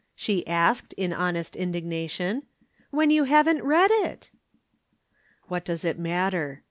she asked in honest indignation. "When you haven't read it?" "What does it matter?"